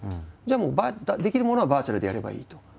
じゃあもうできるものはバーチャルでやればいいと。